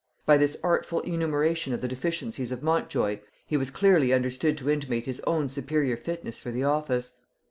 By this artful enumeration of the deficiencies of Montjoy, he was clearly understood to intimate his own superior fitness for the office.